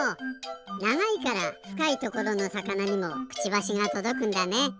ながいからふかいところのさかなにもクチバシがとどくんだね。